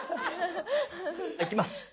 いきます。